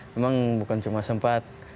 memang bukan cuma sempat